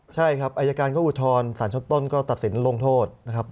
ใช่ครับอายการก็อุทธรณ์สารชั้นต้นก็ตัดสินลงโทษนะครับ